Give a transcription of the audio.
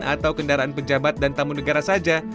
atau kendaraan pejabat dan tamu negara saja